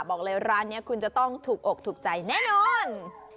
บอกเลยร้านนี้คุณจะต้องถูกอกถูกใจแน่นอน